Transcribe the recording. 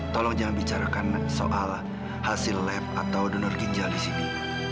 tolong jangan bicarakan soal hasil lab atau donor ginjal di sini